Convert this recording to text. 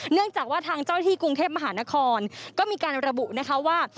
เนื่องจากว่าทางเจ้าที่กรุงเทพมหานครก็มีการระบุนะคะว่า